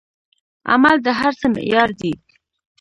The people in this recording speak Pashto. عمل د هر څه معیار دی.